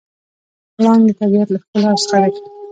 پړانګ د طبیعت له ښکلاوو څخه دی.